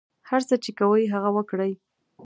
هر څه چې کوئ هغه وکړئ.